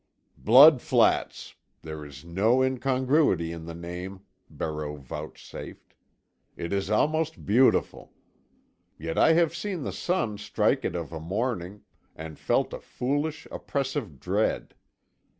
"Blood Flats! There is no incongruity in the name," Barreau vouchsafed. "This is almost beautiful. Yet I have seen the sun strike it of a morning—and felt a foolish, oppressive dread.